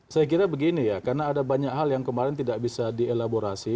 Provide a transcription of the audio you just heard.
saya kira begini ya karena ada banyak hal yang kemarin tidak bisa dielaborasi